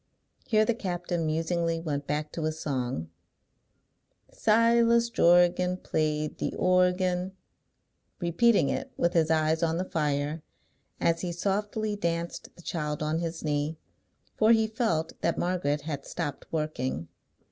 Here the captain musingly went back to his song, Silas Jorgan Played the organ; repeating it with his eyes on the fire, as he softly danced the child on his knee. For he felt that Margaret had stopped working.